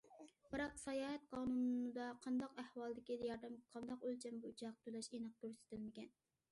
بىراق ساياھەت قانۇنىدا قانداق ئەھۋالدىكى ياردەمگە قانداق ئۆلچەم بويىچە ھەق تۆلەش ئېنىق كۆرسىتىلمىگەن.